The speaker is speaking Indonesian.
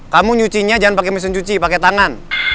kamu nyucinya jangan pakai mesin cuci pakai tangan